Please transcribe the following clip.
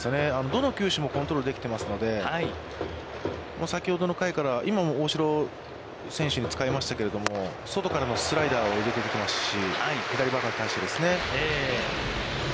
どの球種もコントロールできていますので、先ほどの回から、今も大城選手に使いましたけれども、外からのスライダーを入れてきていますし。